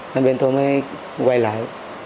nên bên tôi mới quay lại